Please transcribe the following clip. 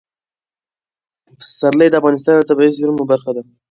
پسرلی د افغانستان د طبیعي زیرمو برخه ده.